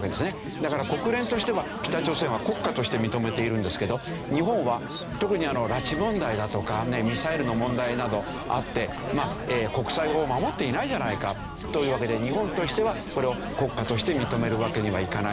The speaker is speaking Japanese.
だから国連としては北朝鮮は国家として認めているんですけど日本は特に拉致問題だとかミサイルの問題などあって国際法を守っていないじゃないかというわけで日本としてはこれを国家として認めるわけにはいかない。